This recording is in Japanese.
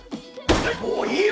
もういいよ！